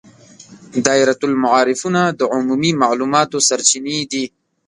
دایرة المعارفونه د عمومي معلوماتو سرچینې دي.